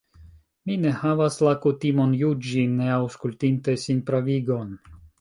Mi ne havas la kutimon juĝi, ne aŭskultinte sinpravigon.